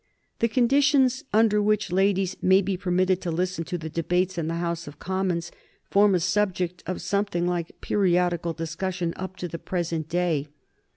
The conditions under which ladies may be permitted to listen to the debates in the House of Commons form a subject of something like periodical discussion up to the present day.